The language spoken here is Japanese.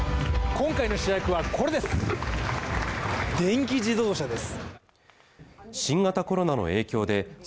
今回の主役はこれです